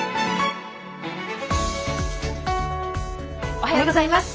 おはようございます。